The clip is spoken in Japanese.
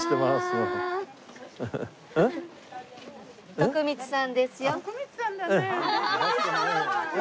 徳光さんですよ。